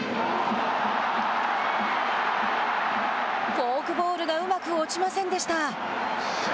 フォークボールがうまく落ちませんでした。